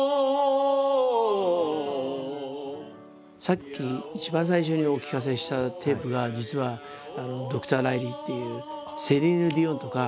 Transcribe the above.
さっき一番最初にお聞かせしたテープが実はドクター・ライリーっていうセリーヌ・ディオンとかシャキーラとか。